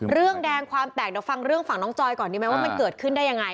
เรื่องแดงความแตกเดี๋ยวฟังเรื่องฝั่งน้องจอยก่อนดีไหมว่ามันเกิดขึ้นได้ยังไง